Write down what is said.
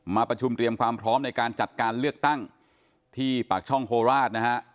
มาประชุมเตรียมความพร้อมในการจัดการเลือกตั้งที่ปากช่องโคราชนะฮะ